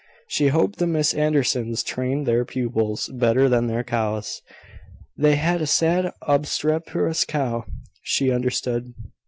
She hoped the Miss Andersons trained their pupils better than their cows: they had a sad obstreperous cow, she understood.